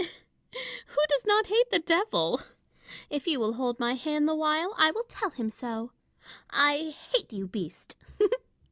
Who does not hate the Devil 1 If you will hold my hand the while, I will tell him so. — I hate you, beast